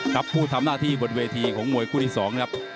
ผู้ทำหน้าที่บนเวทีของมวยคู่ที่๒นะครับ